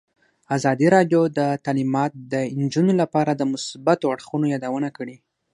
ازادي راډیو د تعلیمات د نجونو لپاره د مثبتو اړخونو یادونه کړې.